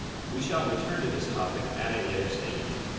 We shall return to this topic at a later stage.